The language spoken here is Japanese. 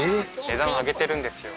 値段上げてるんですよ